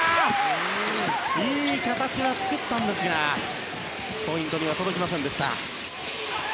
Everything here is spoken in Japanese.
いい形は作りましたがポイントには届きませんでした。